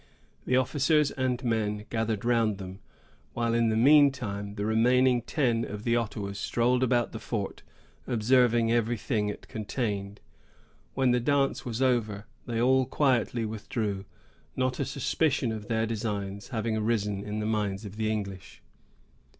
The officers and men gathered around them; while, in the mean time, the remaining ten of the Ottawas strolled about the fort, observing every thing it contained. When the dance was over, they all quietly withdrew, not a suspicion of their designs having arisen in the minds of the English.